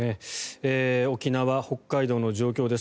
沖縄、北海道の状況です。